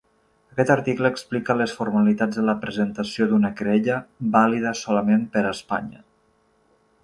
Aquest article explica les formalitats de la presentació d'una querella, vàlida solament per a Espanya.